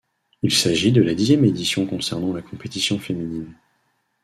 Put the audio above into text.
Il s'agit de la dixième édition concernant la compétition féminine.